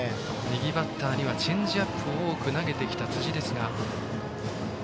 右バッターにはチェンジアップを多く投げてきている辻。